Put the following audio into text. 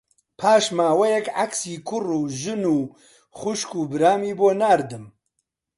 پاش ماوەیەک عەکسی کوڕ و ژن و خوشک و برامی بۆ ناردم